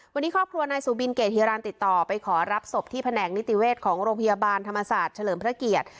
วันนี้ครอบครัวนายสุบินเกรฮิรันติดต่อไปขอรับศพที่แผนกนิติเวชของโรงพยาบาลธรรมศาสตร์เฉลิมพระเกียรติ